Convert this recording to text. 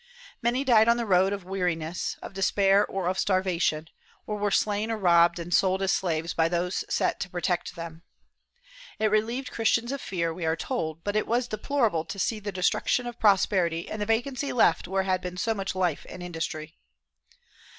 Many died on the road of weariness, of despair or of starvation, or were slain or robbed and sold as slaves by those set to protect them. It relieved the Christians of fear, we are told, but it was deplorable to see the destruction of prosperity and the vacancy left where had been so much life and industry.